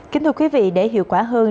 kính thưa quý vị để hiệu quả hơn